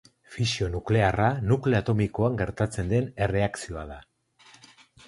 Fisio nuklearra nukleo atomikoan gertatzen den erreakzioa da.